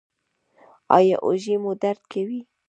ایا اوږې مو درد کوي؟